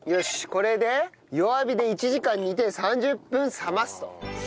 これで弱火で１時間煮て３０分冷ますと。